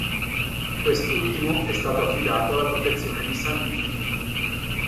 Quest'ultimo è stato affidato alla protezione di San Mir.